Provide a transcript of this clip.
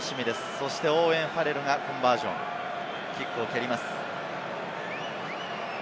そしてオーウェン・ファレルがコンバージョンキックを蹴ります。